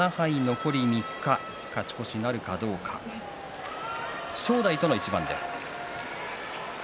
残り３日勝ち越しなるか正代との一番です。